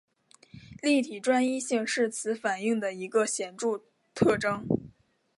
立体专一性是此反应的一个显着特征。